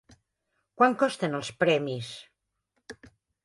Quant costen els premis?